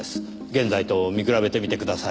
現在と見比べてみてください。